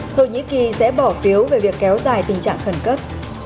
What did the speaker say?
thổ nhĩ kỳ sẽ bỏ phiếu về việc kéo dài tình trạng khẩn cấp